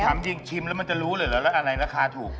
ได้ทำจริงชิมแล้วมันจะรู้เลยแล้วอันไหนราคาถูก